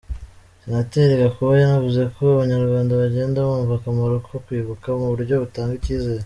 Senateri Gakuba yanavuze ko Abanyarwanda bagenda bumva akamaro ko kwibuka mu buryo butanga icyizere.